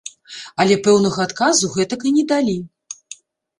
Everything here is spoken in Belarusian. Але пэўнага адказу гэтак і не далі.